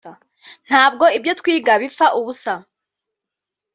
ntabwo ibyo twiga bipfa ubusa